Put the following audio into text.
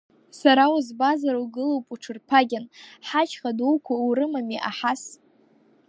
Сара узбазар, угылоуп уҽырԥагьан, ҳашьха дуқәа урымами аҳас.